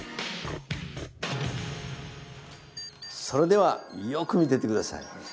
それではよく見てて下さい。